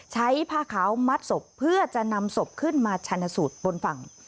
ผ้าขาวมัดศพเพื่อจะนำศพขึ้นมาชันสูตรบนฝั่ง